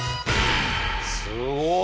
すごい！